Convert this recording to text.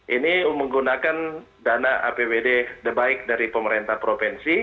ini menggunakan dana apbd the baik dari pemerintah provinsi